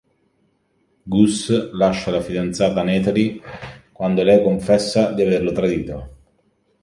Gus lascia la fidanzata Natalie quando lei confessa di averlo tradito.